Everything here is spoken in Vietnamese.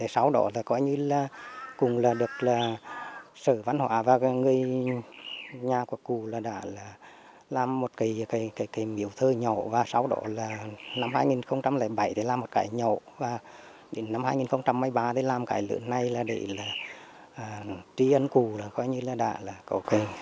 sau đó cố tổng bí thư cũng được sở văn hóa và nhà của cố tổng bí thư đã làm một miểu thơ nhỏ